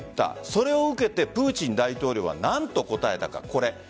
それは受けてプーチン大統領は何と答えたか。